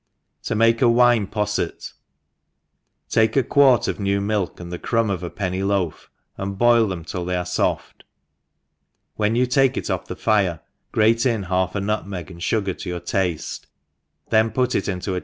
21? m(ike a Wine Posset. TAKE a quart of new milk, and the crumb , pf a penny loaf, and boil them till they .arc foft, when yoii take h off the fire, grate in ha|f a nut meg, and fugar to your tafte, then put it into ^